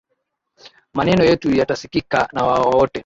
Maneno yetu yatasikika na wote